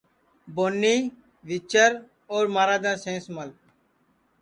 بونی، ویچر، اور مہاراجا سینس مل